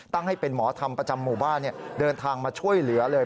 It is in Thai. ให้เป็นหมอธรรมประจำหมู่บ้านเดินทางมาช่วยเหลือเลย